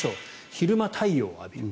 昼間、太陽を浴びる。